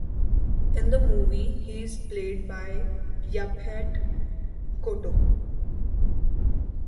In the movie he is played by Yaphet Kotto.